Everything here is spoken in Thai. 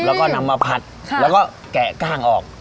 แล้วก็นำมาผัดแล้วก็แกะกล้างออก